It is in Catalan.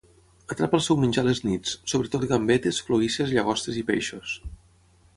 Atrapa el seu menjar a les nits, sobretot gambetes, cloïsses, llagostes i peixos.